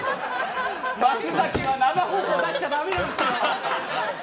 松崎は生放送出しちゃだめなんですよ！